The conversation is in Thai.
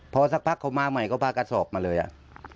พอสักพักเขามาใหม่ก็พากระสอบมาเลยอ่ะ